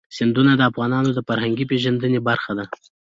سیندونه د افغانانو د فرهنګي پیژندنې برخه ده.